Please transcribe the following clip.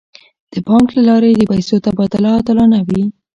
د بانک له لارې د پیسو تبادله عادلانه وي.